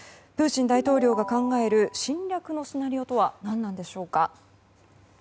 プーチン大統領が考える侵略のシナリオとは何なんでしょうか。